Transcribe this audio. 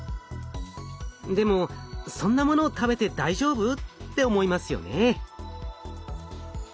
でも「そんなものを食べて大丈夫？」って思いますよね。